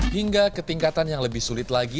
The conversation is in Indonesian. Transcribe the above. hingga ketingkatan yang lebih sulit lagi